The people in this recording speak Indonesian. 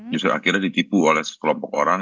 justru akhirnya ditipu oleh sekelompok orang